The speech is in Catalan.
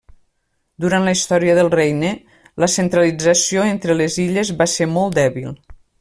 Durant la història del regne la centralització entre les illes va ser molt dèbil.